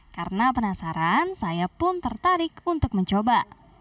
karena penasaran saya pun tertarik untuk mencoba